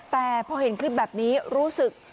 แต่พอเห็นคลิปแบบนี้รู้สึก